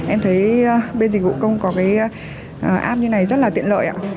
em thấy bên dịch vụ công có cái app như này rất là tiện lợi ạ